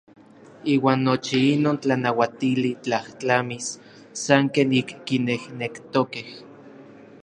Iuan nochi inon tlanauatili tlajtlamis san ken ik kinejnektokej.